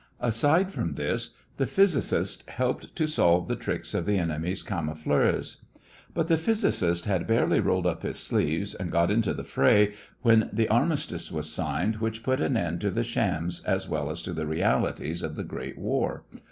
Aside from this, the physicist helped to solve the tricks of the enemy's camoufleurs. But the physicist had barely rolled up his sleeves and got into the fray when the armistice was signed which put an end to the shams as well as to the realities of the great war.